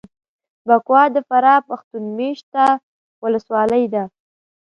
بکوا دفراه پښتون مېشته ولسوالي ده